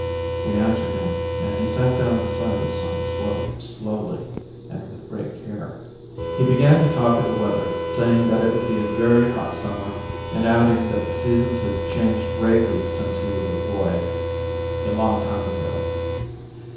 We answered him and he sat down beside us on the slope slowly and with great care. He began to talk of the weather, saying that it would be a very hot summer and adding that the seasons had changed greatly since he was a boy—a long time ago.